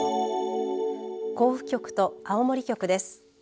甲府局と青森局です。